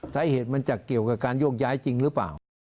สาเหตุมันจะเกี่ยวกับการโยกย้ายจริงหรือเปล่า